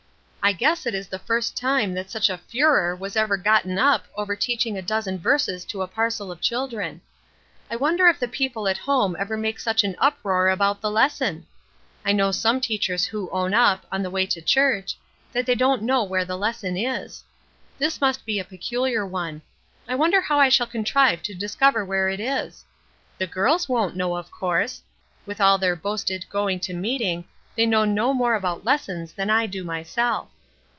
I guess it is the first time that such a furor was ever gotten up over teaching a dozen verses to a parcel of children. I wonder if the people at home ever make such a uproar about the lesson? I know some teachers who own up, on the way to church, that they don't know where the lesson is. This must be a peculiar one. I wonder how I shall contrive to discover where it is? The girls won't know, of course. With all their boasted going to meeting they know no more about lessons than I do myself.